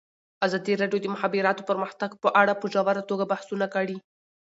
ازادي راډیو د د مخابراتو پرمختګ په اړه په ژوره توګه بحثونه کړي.